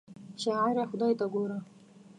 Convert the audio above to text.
شاعره خدای ته ګوره!